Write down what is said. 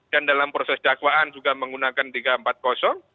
dan dalam proses jagwaan juga menggunakan tiga ratus empat puluh